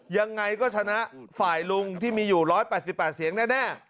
ยังไงก็ชนะฝ่ายลุงที่มีอยู่๑๘๘เสียงแน่